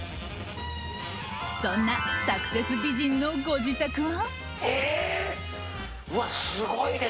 そんなサクセス美人のご自宅は。